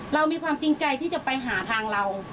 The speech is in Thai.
เรามีความจริงใจที่จะไปหาทางเรา